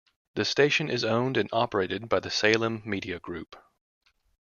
The station is owned and operated by the Salem Media Group.